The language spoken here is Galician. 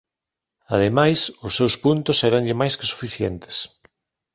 Ademais, os seus puntos éranlle máis que suficientes.